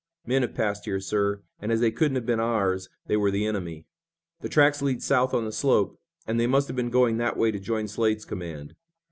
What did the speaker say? "Men have passed here, sir, and, as they couldn't have been ours, they were the enemy. The tracks lead south on the slope, and they must have been going that way to join Slade's command."